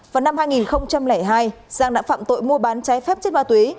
vào năm hai nghìn hai giang đã phạm tội mua bán trái phép chất ma túy